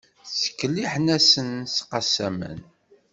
Ttkelliḥen-asen s “qassaman”.